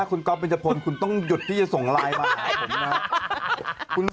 คุณก็พิจฎภัณฑ์คุณต้องหยุดที่จะส่งไลน์มาหาผมนะ